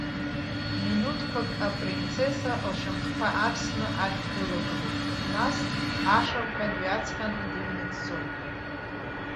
Минуҭқәак апринцесса лшьамхқәа арсны ашә дылагылоуп, нас, ашырҳәа дҩаҵҟьан, дыҩны дцоит.